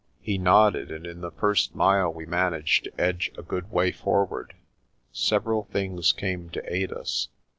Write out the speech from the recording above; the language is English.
He nodded, and in the first mile we managed to edge a good way forward. Several things came to aid us.